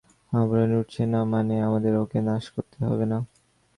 আবরণ উঠছে না মানে, আমাদের ওকে নাশ করতে হবে, না?